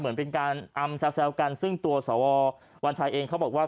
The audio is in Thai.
เหมือนเป็นการอำแซวกันซึ่งตัวสววัญชัยเองเขาบอกว่า